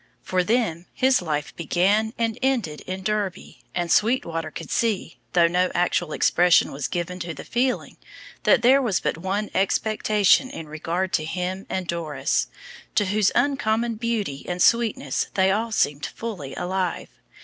For them his life began and ended in Derby, and Sweetwater could see, though no actual expression was given to the feeling, that there was but one expectation in regard to him and Doris, to whose uncommon beauty and sweetness they all seemed fully alive.